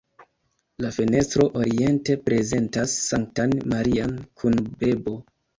La fenestro oriente prezentas Sanktan Marian kun bebo.